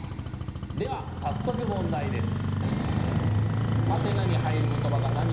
では早速問題です。